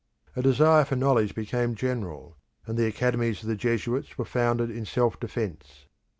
A desire for knowledge became general, and the academies of the Jesuits were founded in self defence.